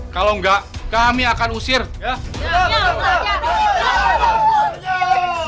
kalau enggak kami akan usir ya